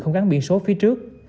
không gắn biển số phía trước